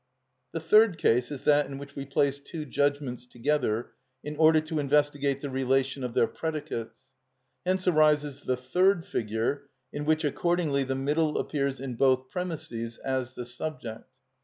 The third case is that in which we place two judgments together in order to investigate the relation of their predicates. Hence arises the third figure, in which accordingly the middle appears in both premisses as the subject.